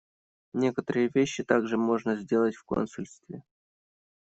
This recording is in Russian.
Некоторые вещи также можно сделать в консульстве.